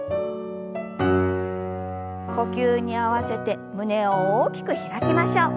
呼吸に合わせて胸を大きく開きましょう。